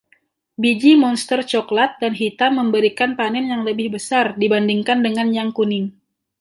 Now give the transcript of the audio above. Biji moster cokelat dan hitam memberikan panen yang lebih besar dibandingkan dengan yang kuning.